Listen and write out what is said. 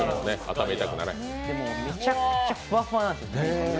でもめちゃくちゃふわふわなんです。